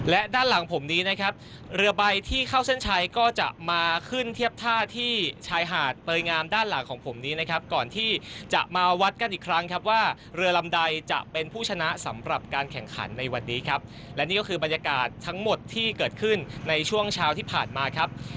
และด้านหลังผมนี้นะครับเรือใบที่เข้าเส้นชัยก็จะมาขึ้นเทียบท่าที่ชายหาดเตยงามด้านหลังของผมนี้นะครับก่อนที่จะมาวัดกันอีกครั้งครับว่าเรือลำใดจะเป็นผู้ชนะสำหรับการแข่งขันในวันนี้ครับและนี่ก็คือบรรยากาศทั้งหมดที่เกิดขึ้นในช่วงเช้าที่ผ่านมาครับ